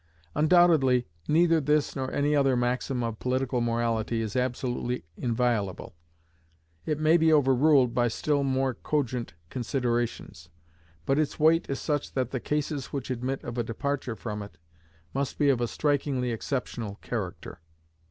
Undoubtedly neither this nor any other maxim of political morality is absolutely inviolable; it may be overruled by still more cogent considerations. But its weight is such that the cases which admit of a departure from it must be of a strikingly exceptional character.